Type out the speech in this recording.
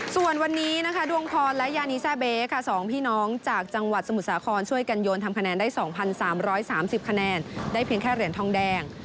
ส่วนวันนี้นะคะดวงทอนและยานีแซ่เบ๊ค่ะ๒พี่น้องจากจังหวัดสมุทรสาครช่วยกันโยนทำคะแนนได้๒๓๓๐คะแนนได้เพียงแค่เหรียญทองแดง